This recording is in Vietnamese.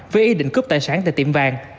với ý định cướp tài sản tại tiệm vàng